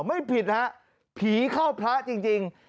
ไม่ผิดฮะผีเข้าพระจริง